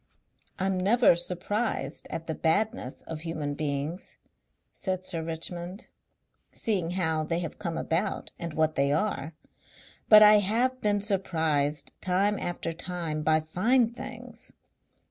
"I'm never surprised at the badness of human beings," said Sir Richmond; "seeing how they have come about and what they are; but I have been surprised time after time by fine things....